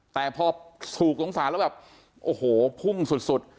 แต่พอสูบสงสารแล้วแบบโอ้โหพุ่งสุด